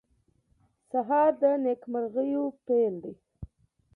سهار د نیکمرغیو پېل دی.